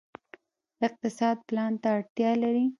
اقتصاد پلان ته اړتیا لري